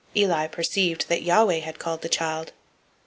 Eli perceived that Yahweh had called the child.